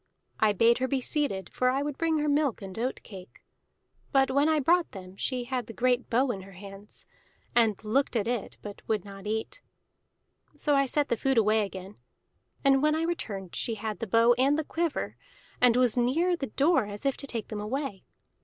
I bade her be seated, for I would bring her milk and oat cake; but when I brought them she had the great bow in her hands, and looked at it but would not eat. So I set the food away again; and when I returned she had the bow and the quiver, and was near the door as if to take them away.